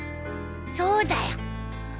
そうだよ！